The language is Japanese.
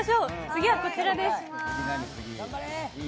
次はこちらです。